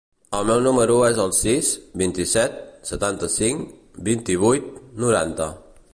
El meu número es el sis, vint-i-set, setanta-cinc, vint-i-vuit, noranta.